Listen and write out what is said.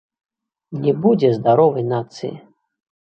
Не будзе здаровай нацыі.